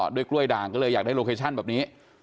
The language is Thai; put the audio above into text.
ด้วยกล้วยด่างก็เลยอยากได้โลเคชั่นแบบนี้